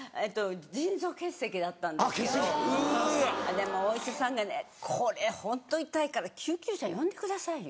でお医者さんがね「これホント痛いから救急車呼んでくださいよ」